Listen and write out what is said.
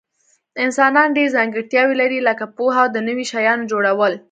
انسانان ډیر ځانګړتیاوي لري لکه پوهه او د نوي شیانو جوړول